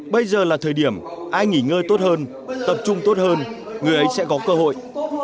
bây giờ là thời điểm ai nghỉ ngơi tốt hơn tập trung tốt hơn người ấy sẽ có cơ hội